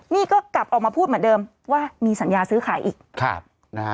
นี่ก็กลับออกมาพูดเหมือนเดิมว่ามีสัญญาซื้อขายอีกครับนะฮะ